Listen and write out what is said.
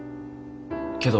けど。